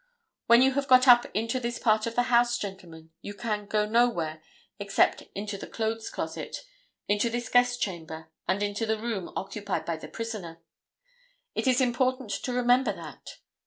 When you have got up into this part of the house, gentlemen, you can go nowhere except into this clothes closet, into this guest chamber and into the room occupied by the prisoner. It is important to remember that.